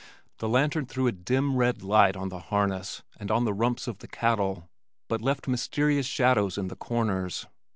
The lantern threw a dim red light on the harness and on the rumps of the cattle, but left mysterious shadows in the corners.